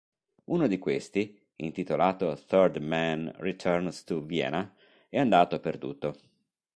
Uno di questi, intitolato "Third Man Returns to Vienna", è andato perduto.